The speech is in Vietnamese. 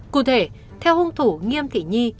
cụ thể theo hung thủ nghiêm thị nhi